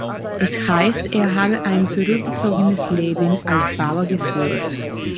Es heißt, er habe ein zurückgezogenes Leben als Bauer geführt.